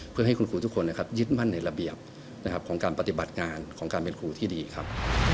เพื่อให้คุณครูทุกคนนะครับยึดมั่นในระเบียบของการปฏิบัติงานของการเป็นครูที่ดีครับ